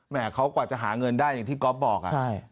เขากว่าจะหาเงินได้อย่างที่ก๊อฟบอก